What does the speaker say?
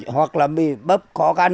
hoặc là bị bấp khó khăn